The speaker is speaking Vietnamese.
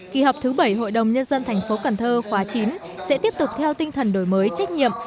kỳ họp thứ bảy hội đồng nhân dân thành phố cần thơ khóa chín sẽ tiếp tục theo tinh thần đổi mới trách nhiệm